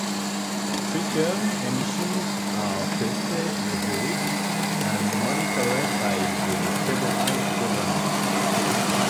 Tritium emissions are tested every week and monitored by the Federal Government.